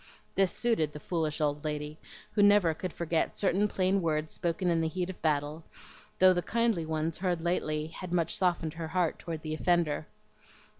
This suited the foolish old lady, who never could forget certain plain words spoken in the heat of battle, though the kindly ones lately heard had much softened her heart toward the offender.